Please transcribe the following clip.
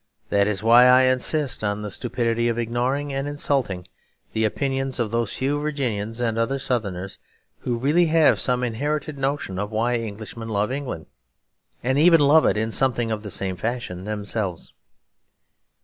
That is why I insist on the stupidity of ignoring and insulting the opinions of those few Virginians and other Southerners who really have some inherited notion of why Englishmen love England; and even love it in something of the same fashion themselves.